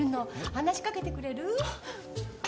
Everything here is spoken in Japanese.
話し掛けてくれる？